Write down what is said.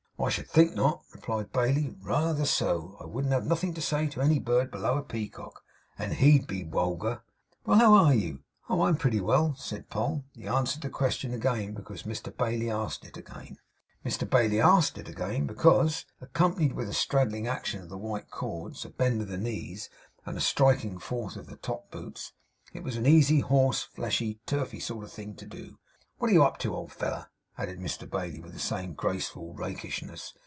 'I should think not,' replied Bailey. 'Reether so. I wouldn't have nothin' to say to any bird below a Peacock; and HE'd be wulgar. Well, how are you?' 'Oh! I'm pretty well,' said Poll. He answered the question again because Mr Bailey asked it again; Mr Bailey asked it again, because accompanied with a straddling action of the white cords, a bend of the knees, and a striking forth of the top boots it was an easy horse fleshy, turfy sort of thing to do. 'Wot are you up to, old feller?' added Mr Bailey, with the same graceful rakishness.